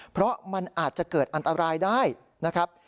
เพราะมันอาจจะเกิดอันตรายได้นะครับ